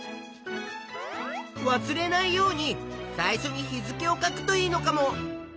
わすれないように最初に日付を書くといいのかも。